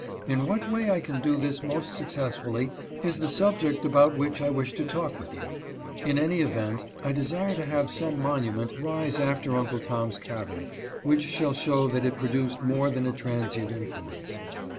In what way I can do this most successfully is the subject about which I wish to talk with you. In any event I desire to have some 352 HARRIET BEECHER STOWE. monument rise after Uncle Tom's Cabin, which shall show that it produced more than a transient influence."